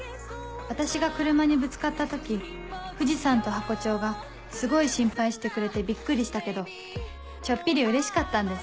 私が車にぶつかった時藤さんとハコ長がすごい心配してくれてびっくりしたけどちょっぴりうれしかったんです